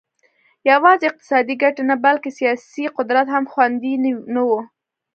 یوازې اقتصادي ګټې نه بلکې سیاسي قدرت هم خوندي نه و